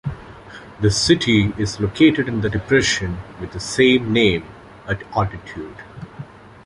The city is located in the depression with the same name, at altitude.